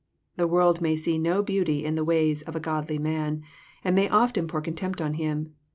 The world may see no beauty in the ways of a godly man, and may often pour contempt on him.